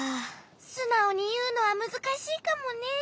すなおにいうのはむずかしいかもね。